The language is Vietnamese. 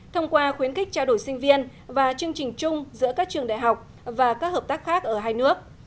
thông qua khuyến khích trao đổi sinh viên và chương trình chung giữa các trường đại học và các hợp tác khác ở hai nước